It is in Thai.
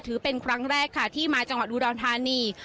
ถือเป็นครั้งแรกค่ะที่มาจังหวัดอุดรธานี